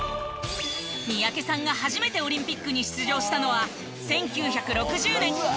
三宅さんが初めてオリンピックに出場したのは１９６０年。